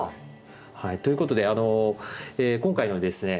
はいということで今回のですね